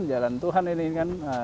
jalan tuhan ini kan